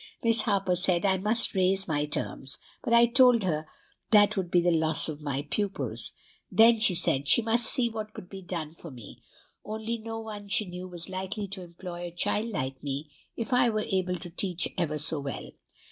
Miss Harper said I must raise my terms; but I told her that would be the loss of my pupils. Then she said she must see what could be done for me, only no one she knew was likely to employ a child like me, if I were able to teach ever so well.